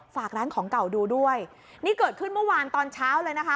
ฝากร้านของเก่าดูด้วยนี่เกิดขึ้นเมื่อวานตอนเช้าเลยนะคะ